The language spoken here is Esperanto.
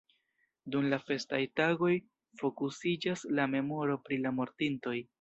Dum la festaj tagoj fokusiĝas la memoro pri la mortintoj.